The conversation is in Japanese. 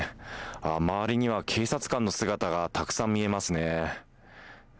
周りには警察官の姿が沢山見えますね。